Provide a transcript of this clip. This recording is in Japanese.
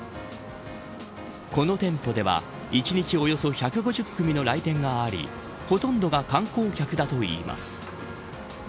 この店舗では一日およそ１５０組の来店がありほとんどが観光客だといいます。